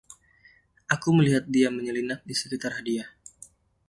Aku melihat dia menyelinap di sekitar hadiah.